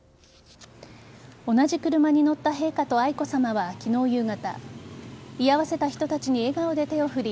同じ車に乗った陛下と愛子さまは昨日夕方居合わせた人たちに笑顔で手を振り